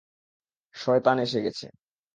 শয়তান এসে গেছে।